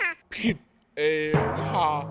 เราอะมันผิดเองค่ะ